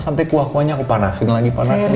sampai kuah kuahnya aku panasin lagi panasin lagi